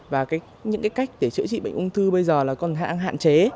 và những cái cách để chữa trị bệnh ung thư bây giờ là còn hạn chế